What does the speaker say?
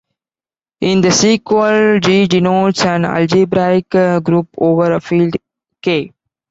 In the sequel, "G" denotes an algebraic group over a field "k".